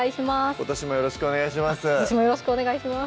今年もよろしくお願いします